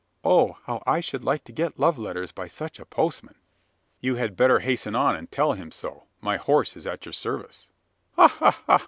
Oh, how I should like to get love letters by such a postman!" "You had better hasten on, and tell him so. My horse is at your service." "Ha! ha! ha!